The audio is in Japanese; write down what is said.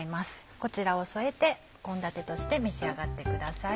こちらを添えて献立として召し上がってください。